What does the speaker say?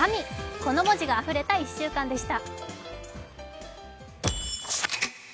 この文字があふれた１週間でした。